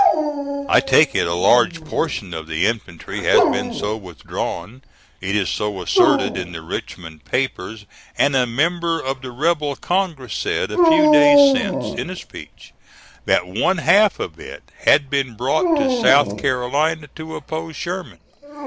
(I take it a large portion of the infantry has been so withdrawn. It is so asserted in the Richmond papers, and a member of the rebel Congress said a few days since in a speech, that one half of it had been brought to South Carolina to oppose Sherman.)